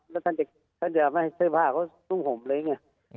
แล้วท่านจะไม่ให้เสื้อผ้าเขานุ่งห่มเลยไง